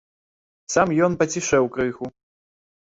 Сам ён пацішэў крыху.